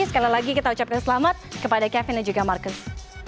sekali lagi kita ucapkan selamat kepada kevin dan juga marcus